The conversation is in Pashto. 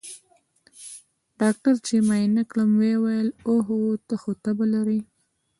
ډاکتر چې معاينه کړم ويې ويل اوهو ته خو تبه لرې.